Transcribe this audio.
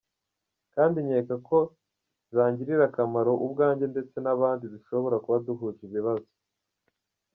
Kandi nkeka ko zangirira akamaro ubwanjye ndetse n’abandi dushobora kuba duhuje ibibazo.